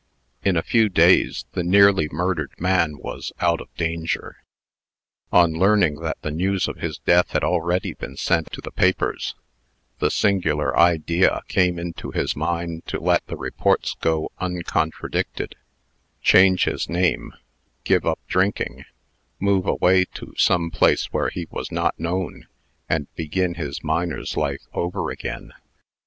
In a few days, the nearly murdered man was out of danger. On learning that the news of his death had already been sent to the papers, the singular idea came into his mind to let the report go uncontradicted, change his name, give up drinking, move away to some place where he was not known, and begin his miner's life over again.